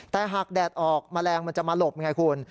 แต่หากแดดออกแมลงมันจะมาหลบไงคุณ